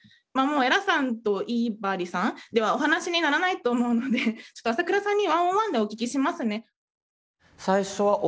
江良さんと井張さんではお話にならないと思うのでちょっと朝倉さんに１ｏｎ１でお聞きしますね。